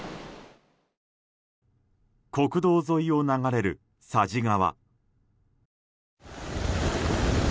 国道沿いを流れる佐治川。